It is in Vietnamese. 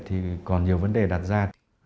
thì còn nhiều vấn đề đặt ra